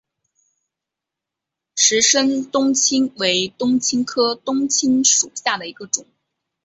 石生冬青为冬青科冬青属下的一个种。